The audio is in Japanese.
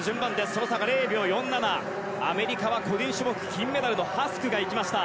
その差が０秒４７アメリカは個人種目金メダルのハスクが行きました。